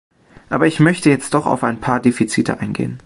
Aber ich möchte jetzt doch auf ein paar Defizite eingehen.